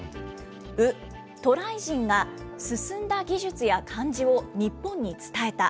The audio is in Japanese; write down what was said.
ウ、渡来人が進んだ技術や漢字を日本に伝えた。